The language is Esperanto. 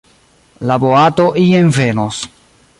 La boato ien venos.